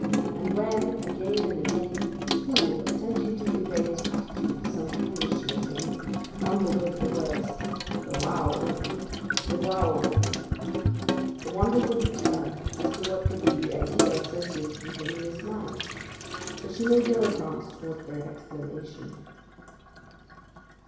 And when, again and again, the fool, attempting to convey his gratitude for some kindness she had shown him mumbled over the words "The wow o' Rivven the wow o' Rivven," the wonder would return as to what could be the idea associated with them in his mind, but she made no advance towards their explanation.